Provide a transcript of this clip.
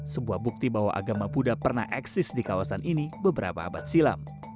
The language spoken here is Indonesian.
sebuah bukti bahwa agama buddha pernah eksis di kawasan ini beberapa abad silam